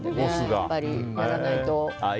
やっぱりやらないと。